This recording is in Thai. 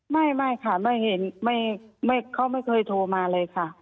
ไม่ค่ะเขาไม่เคยโทรมาเลยค่ะ